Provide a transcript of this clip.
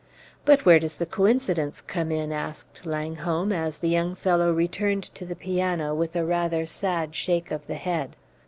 "But where does the coincidence come in?" asked Langholm, as the young fellow returned to the piano with a rather sad shake of the head.